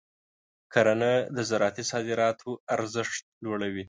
کرنه د زراعتي صادراتو ارزښت لوړوي.